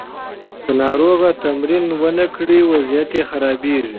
که ناروغ تمرین ونه کړي، وضعیت یې خرابیږي.